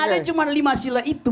ada cuma lima sila itu